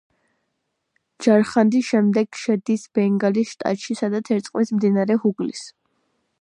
ჯარხანდის შემდეგ შედის ბენგალის შტატში, სადაც ერწყმის მდინარე ჰუგლის.